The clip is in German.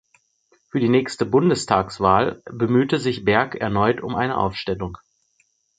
Für die nächste Bundestagswahl bemühte sich Berg erneut um eine Aufstellung.